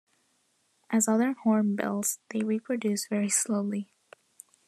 As other hornbills, they reproduce very slowly.